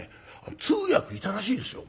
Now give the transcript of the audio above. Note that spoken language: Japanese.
通訳いたらしいですよ。